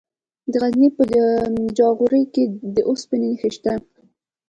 د غزني په جاغوري کې د اوسپنې نښې شته.